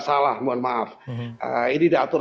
salah mohon maaf ini diatur